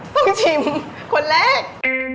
ต้องชิมคนเล็ก